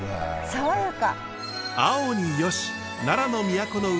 爽やか。